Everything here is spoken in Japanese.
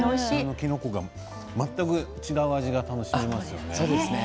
きのこが全く違う味が楽しめますね。